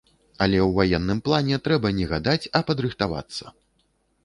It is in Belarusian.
Але ў ваенным плане трэба не гадаць, а падрыхтавацца.